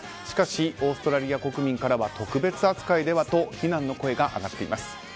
しかしオーストラリア国民からは特別扱いではと非難の声が上がっています。